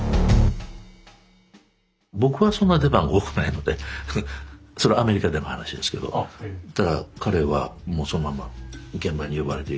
僕はそんな出番多くないのでそれはアメリカでの話ですけど彼はもうそのまま現場に呼ばれて行く。